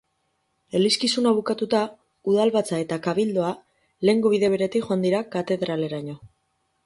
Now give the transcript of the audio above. Elizkizuna bukatuta, udalbatza eta kabildoa lehengo bide beretik joan dira katedraleraino.